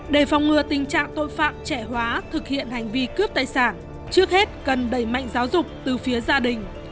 để phòng ngừa tình trạng tội phạm trẻ hóa thực hiện hành vi cướp tài sản trước hết cần đẩy mạnh giáo dục từ phía gia đình